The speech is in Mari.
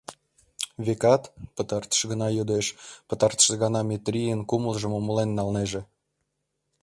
Векат, пытартыш гана йодеш, пытартыш гана Метрийын кумылжым умылен налнеже.